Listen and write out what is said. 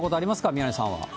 宮根さん。